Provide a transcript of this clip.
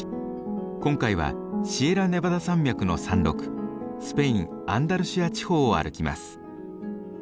今回はシエラネバダ山脈の山麓スペイン・アンダルシア地方を歩きます。